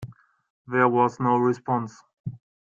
There was no response.